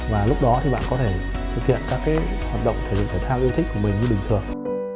và lúc đó thì bạn có thể thực hiện các hoạt động thể dục thể thao yêu thích của mình như bình thường